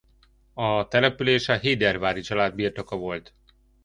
A település a Héderváry család birtoka volt.